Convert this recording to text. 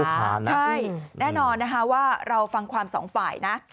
ใช่แน่นอนนะคะว่าเราฟังความสองฝ่ายนะ